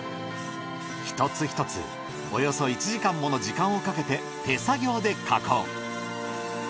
一つひとつおよそ１時間もの時間をかけて手作業で加工。